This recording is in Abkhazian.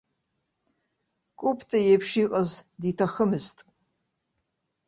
Кәыпта иеиԥш иҟаз диҭахымызт.